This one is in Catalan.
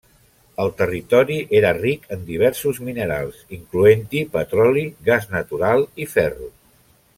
El territori era ric en diversos minerals, incloent-hi petroli, gas natural i ferro.